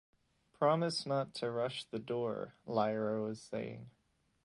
"Promise not to rush the door," Lyra was saying.